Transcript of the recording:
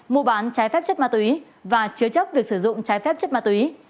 mua bán trái phép chất ma túy và chứa chấp việc sử dụng trái phép chất ma túy